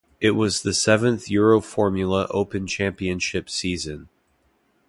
It was the seventh Euroformula Open Championship season.